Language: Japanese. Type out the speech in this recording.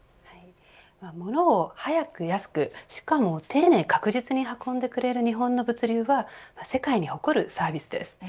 物を早く安くしかも丁寧、確実に運んでくれる日本の物流は世界に誇るサービスです。